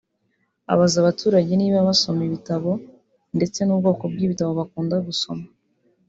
abaza abaturage niba basoma ibitabo ndetse n’ubwoko bw’ibitabo bakunda gusoma